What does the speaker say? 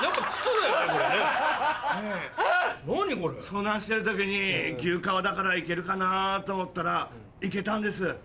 遭難してる時に牛革だから行けるかなと思ったら行けたんです。